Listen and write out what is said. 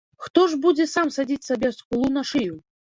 Хто ж будзе сам садзіць сабе скулу на шыю?